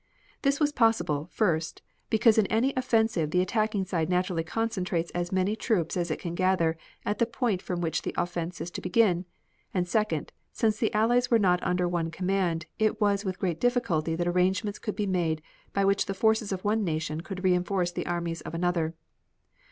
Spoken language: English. This was possible, first, because in any offensive the attacking side naturally concentrates as many troops as it can gather at the point from which the offense is to begin, and second, since the Allies were not under one command it was with great difficulty that arrangements could be made by which the forces of one nation could reinforce the armies of another.